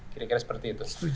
kira kira seperti itu